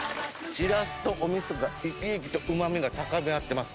シラスとお味噌がいきいきとうまみが高めあってます。